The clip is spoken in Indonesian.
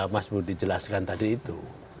mas budi jelaskan tadi itu